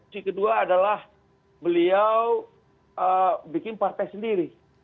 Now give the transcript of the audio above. si kedua adalah beliau bikin partai sendiri